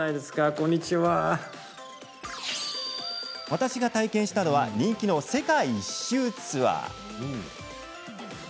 私が体験したのは人気の世界一周ツアー。